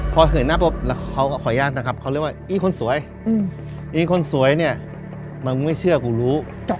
พอเหินหน้าปุ๊บแล้วเขาก็ขออนุญาตนะครับเขาเรียกว่าอีคนสวยอีคนสวยเนี่ยมึงไม่เชื่อกูรู้